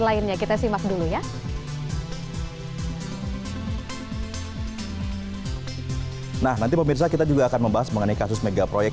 lainnya kita simak dulu ya nah nanti pemirsa kita juga akan membahas mengenai kasus megaproyek